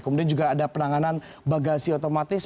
kemudian juga ada penanganan bagasi otomatis